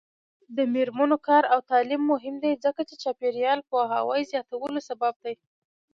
د میرمنو کار او تعلیم مهم دی ځکه چې چاپیریال پوهاوي زیاتولو سبب دی.